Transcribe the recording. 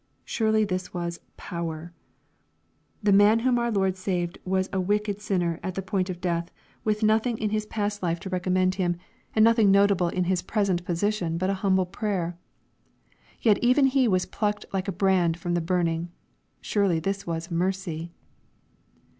Surely this was " power 1" The man whom our Lord saved was a wicked sinner at the point of death, with nothing in his past life to LUKE, CHAP. XXIII. 473 recommend him, and nothing notable in his present po sition but a humble prayer. Yet even he was plucked like a brand from the burning. Surely this was *' mercy."